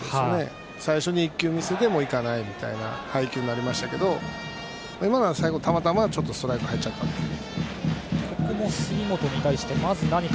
最初に１球見せて、もう行かない配球になりましたけど今のは最後、たまたまストライクが入っちゃったという。